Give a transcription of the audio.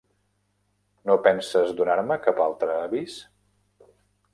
No penses donar-me cap altre avís?